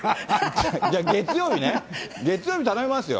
じゃあ、月曜日ね、月曜日、頼みますよ。